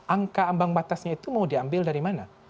angka ambang batasnya itu mau diambil dari mana